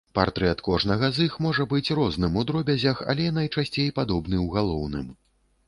Партрэт кожнага з іх можа быць розным у дробязях, але найчасцей падобны ў галоўным.